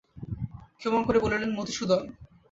ক্ষেমংকরী বলিলেন, মধুসূদন!